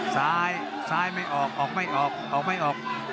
ซ้ายซ้ายไม่ออกออกไม่ออกออกไม่ออก